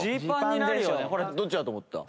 どっちだと思った？